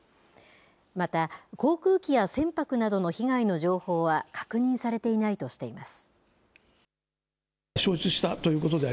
また、航空機や船舶などの被害の情報は確認されていないとしています。